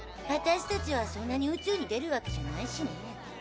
私たちはそんなに宇宙に出るわけじゃないしね。